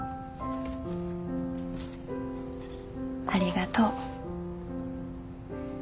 ありがとう。